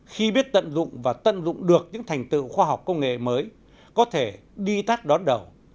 khi biết tận dụng và tận dụng được những thành tựu khoa học công nghệ mới có thể đi tắt đón đầu